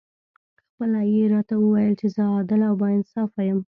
خپله یې راته وویل چې زه عادل او با انصافه یم.